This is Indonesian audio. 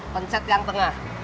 pencet yang tengah